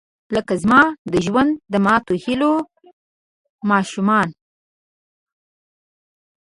لکه زما د ژوند، د ماتوهیلو ماشومان